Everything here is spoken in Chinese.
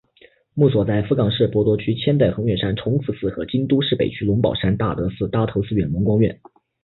墓所在福冈市博多区千代横岳山崇福寺和京都市北区龙宝山大德寺搭头寺院龙光院。